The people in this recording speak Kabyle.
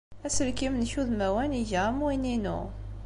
Aselkim-nnek udmawan iga am win-inu.